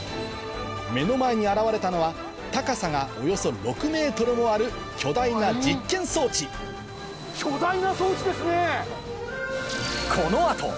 目の前に現れたのは高さがおよそ６ｍもある巨大な実験装置巨大な装置ですね！